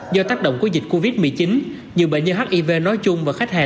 do tác động của dịch covid một mươi chín nhiều bệnh nhân hiv nói chung và khách hàng